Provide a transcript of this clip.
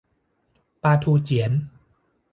ปลาทูเจี๋ยน